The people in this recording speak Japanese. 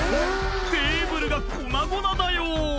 テーブルが粉々だよ